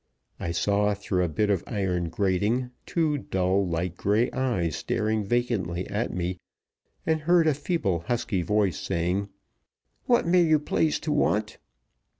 I saw, through a bit of iron grating, two dull, light gray eyes staring vacantly at me, and heard a feeble husky voice saying: "What may you please to want?